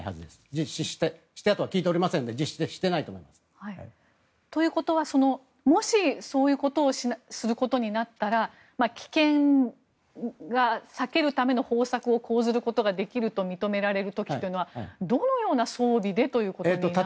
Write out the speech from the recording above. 実施したとは聞いておりませんのでということはもし、そういうことをすることになったら危険が避けるための方策を講ずることができると認められる時というのはどのような装備でということになるんでしょうか。